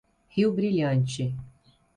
Rio Brilhante